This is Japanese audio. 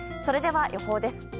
それでは、予報です。